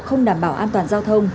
không đảm bảo an toàn giao thông